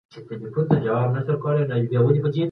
بهرنۍ پالیسي د هیواد د خپلواکۍ او ازادۍ د ساتنې یو مهم ضامن دی.